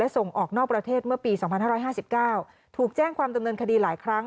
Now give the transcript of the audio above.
ส่งออกนอกประเทศเมื่อปี๒๕๕๙ถูกแจ้งความดำเนินคดีหลายครั้ง